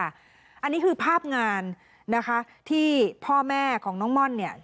อันนี้คือภาพงานนะคะที่พ่อแม่ของน้องม่อนเนี่ย